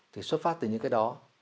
thì xuất phát từ những cái đó